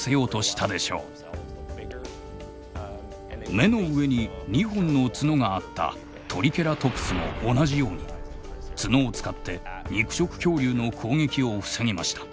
目の上に２本の角があったトリケラトプスも同じように角を使って肉食恐竜の攻撃を防ぎました。